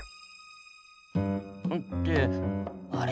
ってあれ？